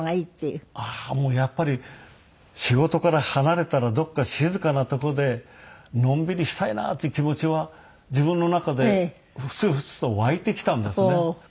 もうやっぱり仕事から離れたらどこか静かな所でのんびりしたいなっていう気持ちは自分の中で沸々と湧いてきたんですね。